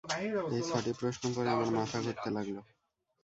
এই ছটি প্রশ্ন পড়ে আমার মাথা ঘুরতে লাগল।